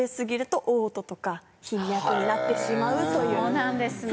そうなんですね。